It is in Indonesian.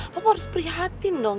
papa harus prihatin dong